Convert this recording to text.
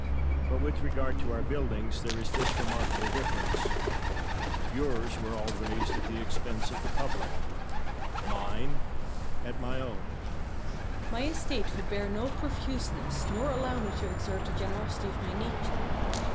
But with regard to our buildings, there is this remarkable difference yours were all raised at the expense of the public, mine at my own. Pericles. My estate would bear no profuseness, nor allow me to exert the generosity of my nature.